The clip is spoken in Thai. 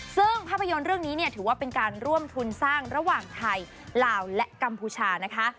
ซึ่งภาพยนตร์เรื่องนี้เนี่ยถือว่าเป็นการร่วมทุนสร้างระหว่างไทยลาวและกัมพูชานะคะ